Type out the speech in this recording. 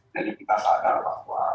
jadi kita sadar bahwa